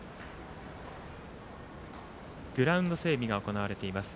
グラウンド整備が行われています。